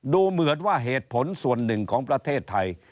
ดูเหมือนว่าเหตุผลส่วนหนึ่งของประเทศไทย